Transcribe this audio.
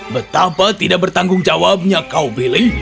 betapa tidak bertanggung jawabnya kau pilih